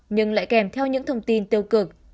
nhưng lại kèm theo những thông tin tiêu cực